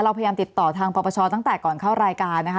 พยายามติดต่อทางปปชตั้งแต่ก่อนเข้ารายการนะคะ